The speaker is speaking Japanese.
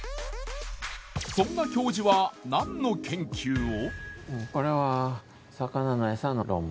そんな教授はなんの研究を？